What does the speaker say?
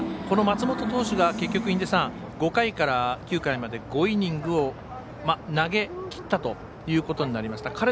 この松本投手が結局５回から９回まで５イニングを投げきったということになりました。